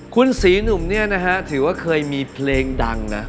คุณศรีหนุ่มเนี่ยนะฮะถือว่าเคยมีเพลงดังนะ